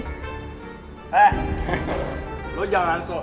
eh lo jangan sok